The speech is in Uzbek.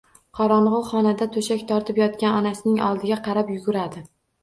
Qorong`i xonada to`shak tortib yotgan onasining oldiga qarab yuguradi